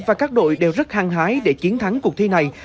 và các đội đều rất hăng hái để chiến thắng cuộc thi này